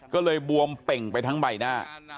ก็เลยบวมเป่งไปทั้งใบหน้า